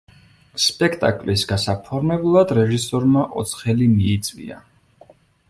სპექტაკლის გასაფორმებლად რეჟისორმა ოცხელი მიიწვია.